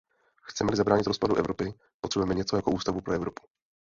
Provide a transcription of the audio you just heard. Chceme-li zabránit rozpadu Evropy, potřebujeme něco jako Ústavu pro Evropu.